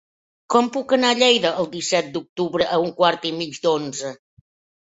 Com puc anar a Lleida el disset d'octubre a un quart i mig d'onze?